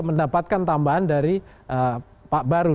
mendapatkan tambahan dari pak baru